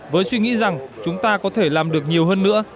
với suy nghĩ rằng chúng ta có thể làm được nhiều hơn nữa